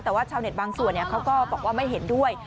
แต่ว่าชาวเน็ตบางส่วนเขาก็บอกว่าไม่เห็นด้วย